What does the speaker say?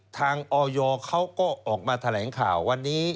ออยเขาก็ออกมาแถลงข่าววันนี้